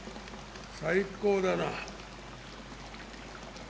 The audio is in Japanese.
最高だな。